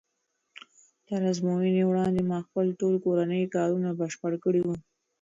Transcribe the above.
تر ازموینې وړاندې ما خپل ټول کورني کارونه بشپړ کړي وو.